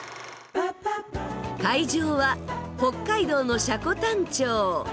会場は北海道の積丹町。